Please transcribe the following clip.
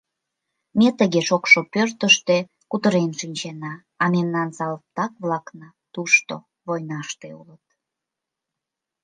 Ме тыге шокшо пӧртыштӧ кутырен шинчена, а мемнан салтак-влакна тушто, войнаште, улыт.